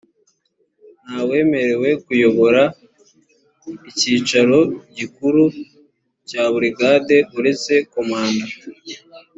nta wemerewe kuyobora icyicaro gikuru cya burigade uretse komanda